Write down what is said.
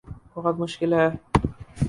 بہت مشکل ہے